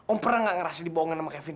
om pernah gak ngerasa dibohongan sama kevin